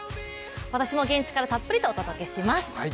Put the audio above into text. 私も現地からたっぷりとお届けします。